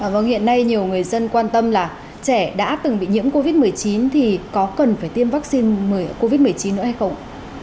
vâng hiện nay nhiều người dân quan tâm là trẻ đã từng bị nhiễm covid một mươi chín thì có cần phải tiêm vaccine ngừa covid một mươi chín nữa hay không